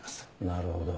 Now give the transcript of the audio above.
なるほど。